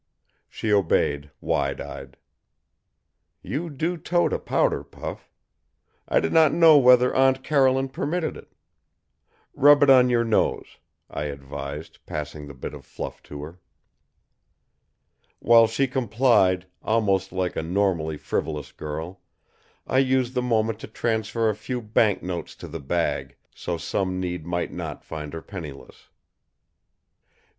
She obeyed, wide eyed. "You do tote a powder puff. I did not know whether Aunt Caroline permitted it. Rub it on your nose," I advised, passing the bit of fluff to her. While she complied, almost like a normally frivolous girl, I used the moment to transfer a few banknotes to the bag, so some need might not find her penniless.